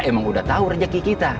emang udah tahu rezeki kita